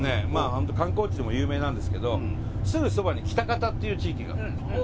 本当観光地でも有名なんですけどすぐそばに喜多方っていう地域があるの。